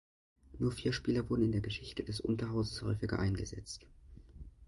Nur vier Spieler wurden in der Geschichte des Unterhauses häufiger eingesetzt.